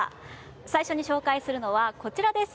最初に紹介するのはこちらです。